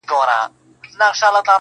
د وخت ناخوالي كاږم.